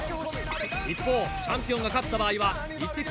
一方チャンピオンが勝った場合はイッテＱ！